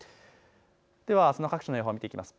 ではあすの各地の予報を見ていきます。